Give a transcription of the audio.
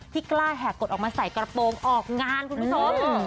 กล้าแหกกดออกมาใส่กระโปรงออกงานคุณผู้ชม